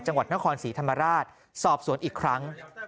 จังหวัดนครศรีธรรมราชสอบสวนอีกครั้ง